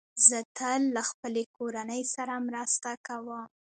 زه تل له خپلې کورنۍ سره مرسته کوم.